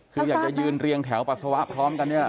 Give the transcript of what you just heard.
คืออยากจะยืนเรียงแถวปัสสาวะพร้อมกันเนี่ย